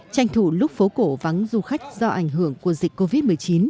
tranh thủ lúc phố cổ vắng du khách do ảnh hưởng của dịch covid một mươi chín